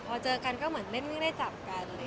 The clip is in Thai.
พอเจอกันก็เหมือนเล่นได้จับกัน